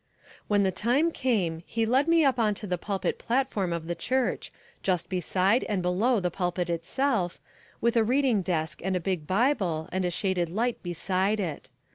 When the time came, he led me up on to the pulpit platform of the church, just beside and below the pulpit itself, with a reading desk and a big bible and a shaded light beside it.